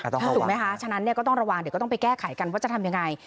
ถูกไหมคะฉะนั้นก็ต้องระวังเดี๋ยวก็ต้องไปแก้ไขกันว่าจะทำยังไง